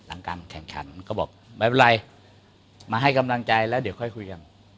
หลังการแข่งขันก็บอกไม่เป็นไรมาให้กำลังใจแล้วเดี๋ยวค่อยคุยกัน